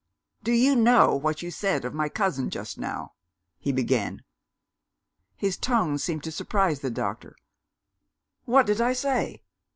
"Do you know what you said of my cousin, just now?" he began. His tone seemed to surprise the doctor. "What did I say?"